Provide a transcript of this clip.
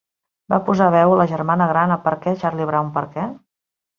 Va posar veu a la germana gran a Per què, Charlie Brown, per què?.